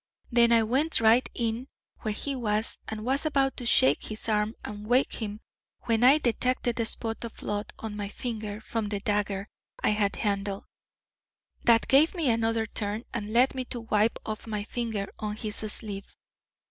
Then I went right in where he was, and was about to shake his arm and wake him, when I detected a spot of blood on my finger from the dagger I had handled. That gave me another turn, and led me to wipe off my finger on his sleeve."